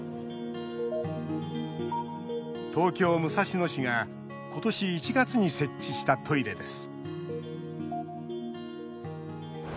東京・武蔵野市が今年１月に設置したトイレです